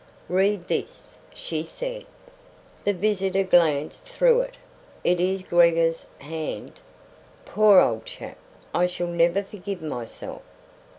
"Read this," she said. The visitor glanced through it. "It is Gregor's hand. Poor old chap! I shall never forgive my self."